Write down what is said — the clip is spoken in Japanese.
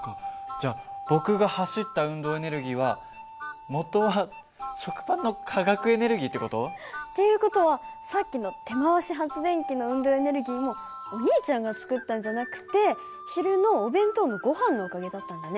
じゃあ僕が走った運動エネルギーはもとは食パンの化学エネルギーって事？っていう事はさっきの手回し発電機の運動エネルギーもお兄ちゃんが作ったんじゃなくて昼のお弁当のごはんのおかげだったんだね。